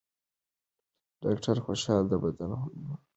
ډاکټران خوشحالي د بدن هورمونونو سره تړلې ګڼي.